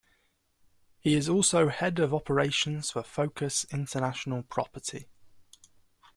He is also head of operations for Focus International Property.